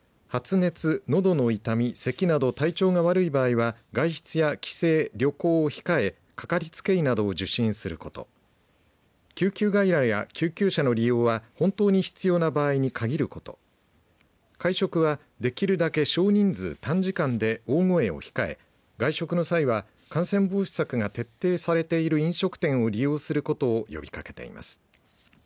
発熱、のどの痛み、せきなど体調が悪い場合は外出や帰省、旅行を控えかかりつけ医などを受診すること救急外来や救急車の利用は本当に必要な場合に限ること会食はできるだけ少人数、短時間で大声を控え、外食の際は感染防止策が徹底されている飲食店を利用することを呼びかけています。